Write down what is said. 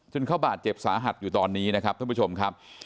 เขาบาดเจ็บสาหัสอยู่ตอนนี้นะครับท่านผู้ชมครับ